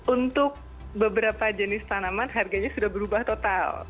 untuk beberapa jenis tanaman harganya sudah berubah total